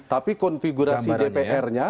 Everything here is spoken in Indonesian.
tapi konfigurasi dpr nya